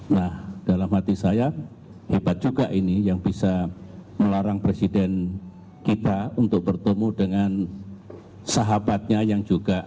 nah dalam hati saya hebat juga ini yang bisa melarang presiden kita untuk bertemu dengan sahabatnya yang juga